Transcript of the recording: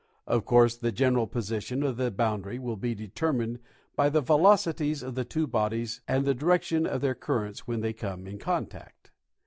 Of course the general position of the boundary will be determined by the velocities of the two bodies and the direction of their currents when they come in contact.